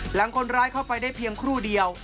หลังคนร้ายเข้าไปได้เพียงครู่เดียว